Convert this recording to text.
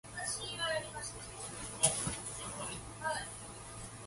It can also contribute to an expression of anger.